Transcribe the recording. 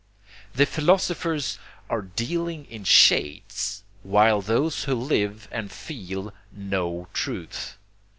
The philosophers are dealing in shades, while those who live and feel know truth.